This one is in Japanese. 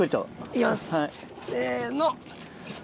いきますせの。